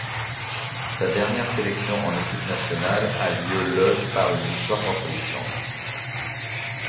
Sa dernière sélection en équipe nationale a lieu le par une victoire contre l'Islande.